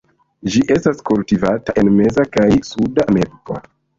Ĝi estas kultivata en meza kaj suda Ameriko.